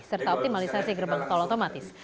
serta optimalisasi gerbang tol otomatis